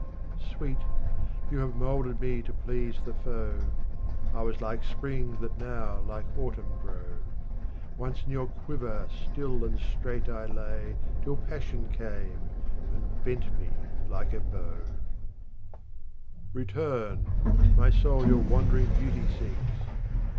23 Sweet, you have moulded me to please the foe ; I was like spring that now like autumn grow. Once in your quiver still and straight I lay Till passion, came and bent me like a bow, RUBAIYAT OF HAFIZ 45 24 Return ! my soul your wandering beauty seeks.